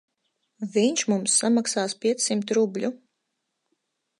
Viņš mums samaksās piecsimt rubļu.